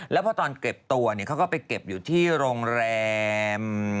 แล้วพอตอนเก็บตัวเขาก็ไปเก็บอยู่ที่โรงแรม